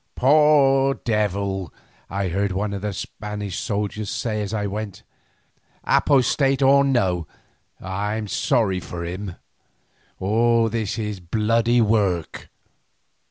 "Poor devil!" I heard one of the Spanish soldiers say as I went. "Apostate or no, I am sorry for him; this is bloody work."